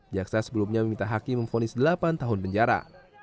jaksa sebelumnya meminta hakim memfonis delapan tahun penjara